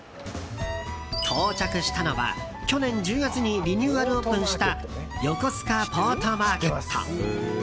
到着したのは、去年１０月にリニューアルオープンしたよこすかポートマーケット。